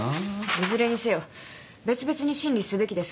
いずれにせよ別々に審理すべきです。